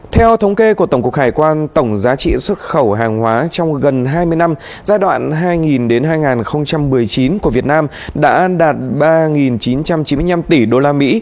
theo thống kê của tổng cục hải quan tổng giá trị xuất khẩu hàng hóa trong gần hai mươi năm giai đoạn hai nghìn hai mươi chín của việt nam đã đạt ba chín trăm chín mươi năm tỷ usd